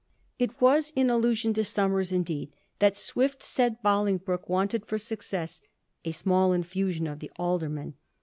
It waa in allusion to Somers, indeed, that Swift said BoUng broke wanted for success * a small infusion of the alderman.'